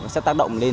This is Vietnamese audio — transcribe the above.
sẽ tác động lên